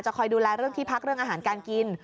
คอยดูแลเรื่องที่พักเรื่องอาหารการกิน